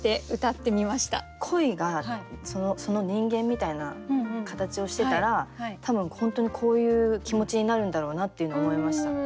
恋が人間みたいな形をしてたら多分本当にこういう気持ちになるんだろうなっていうのを思いました。